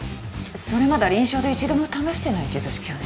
それまだ臨床で一度も試してない術式よね？